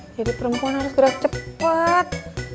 jadi perempuan harus gerak cepet